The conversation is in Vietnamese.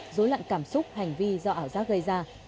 dối loạn cảm xúc hành vi do ảo giác gây ra